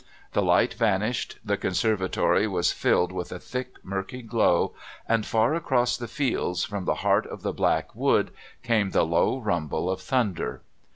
The light vanished; the conservatory was filled with a thick, murky glow, and far across the fields, from the heart of the black wood, came the low rumble of thunder.